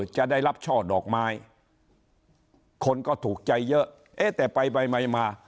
จะได้รับช่อดอกไม้คนก็ถูกใจเยอะเอ๊ะแต่ไปไปมา